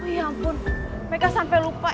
ya ampun mereka sampai lupa